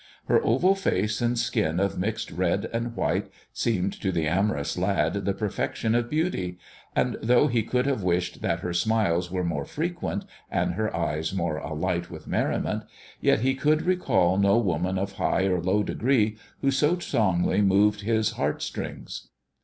Her oval face, and skin of mixed red and white, seemed to the amorous lad the perfection of beauty ; and though he could We wished that her smiles were more frequent, and her eyes more alight with merriment, yet he could recall no Woman of high or low degree who so strongly moved his heart strings.